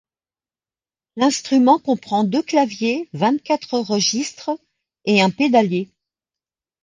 L'instrument comprend deux claviers, vingt-quatre registres et un pédalier.